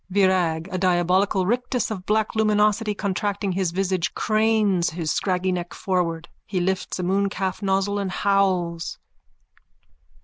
VIRAG: _(A diabolic rictus of black luminosity contracting his visage, cranes his scraggy neck forward. He lifts a mooncalf nozzle and howls.)